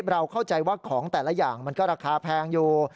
เราเข้าใจว่าของแต่ละอย่างมันก็ราคาแพงอยู่